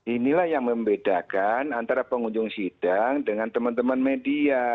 inilah yang membedakan antara pengunjung sidang dengan teman teman media